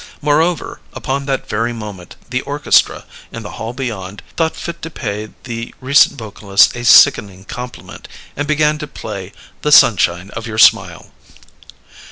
Moreover, upon that very moment the orchestra, in the hall beyond, thought fit to pay the recent vocalist a sickening compliment, and began to play "The Sunshine of Your Smile."